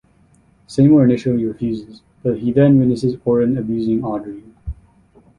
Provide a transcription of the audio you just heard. Seymour initially refuses, but he then witnesses Orin abusing Audrey.